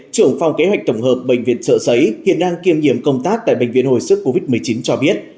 trưởng phòng kế hoạch tổng hợp bệnh viện trợ giấy hiện đang kiêm nhiệm công tác tại bệnh viện hồi sức covid một mươi chín cho biết